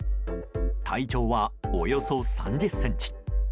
体長はおよそ３０ｃｍ。